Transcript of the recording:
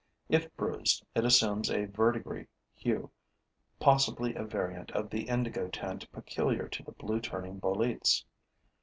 If bruised, it assumes a verdigris hue, possibly a variant of the indigo tint peculiar to the blue turning boletes.